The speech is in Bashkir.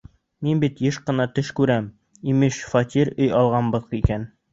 Мин бит йыш ҡына төш күрәм, имеш, фатир, өй алғанбыҙ икән.